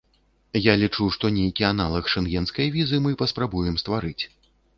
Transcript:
Я лічу, што нейкі аналаг шэнгенскай візы мы паспрабуем стварыць.